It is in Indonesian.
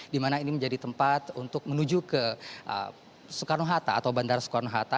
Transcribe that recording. di mana ini menjadi tempat untuk menuju ke soekarno hatta atau bandara soekarno hatta